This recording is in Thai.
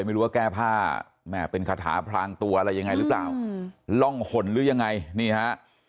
ไม่รู้ว่าแก้ผ้าแม่เป็นคาถาพลางตัวอะไรยังไงหรือเปล่าร่องหนหรือยังไงนี่ฮะ